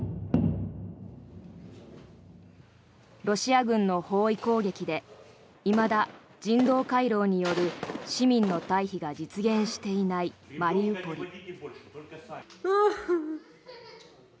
ロシア軍の包囲攻撃でいまだ人道回廊による市民の退避が実現していないマリウポリ。